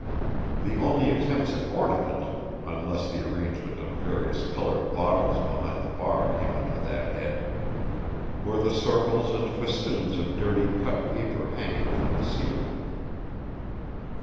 The only attempts at ornament, unless the arrangement of various colored bottles behind the bar came under that head, were the circles and festoons of dirty cut paper hanging from the ceiling.